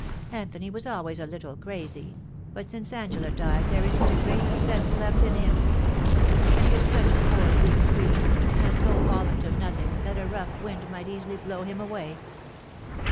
Anthony was always a little crazy, but since Angela died there isn't a grain of sense left in him. And he is such a poor weak creature and has so fallen to nothing that a rough wind might easily blow him away.